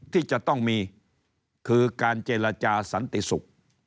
ที่จะต้องมีคือการเจรจาสันติศุกร์